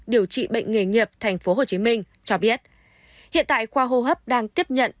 điều trị bệnh nghề nghiệp tp hcm cho biết hiện tại khoa hô hấp đang tiếp nhận